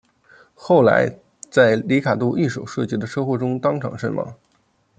后来在里卡度一手设计的车祸中当场身亡。